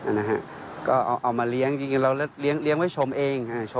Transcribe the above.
นะฮะก็เอามาเลี้ยงจริงเราเลี้ยงไว้ชมเอง